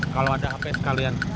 kalau ada hp sekalian